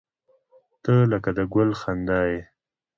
• ته لکه د ګل خندا یې.